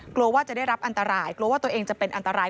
กลัวว่าจะได้รับอันตรายกลัวว่าตัวเองจะเป็นอันตราย